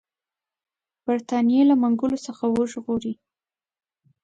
برټانیې له منګولو څخه وژغوري.